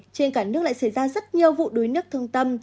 trên cả nước lại xảy ra rất nhiều vụ đuối nước thương tâm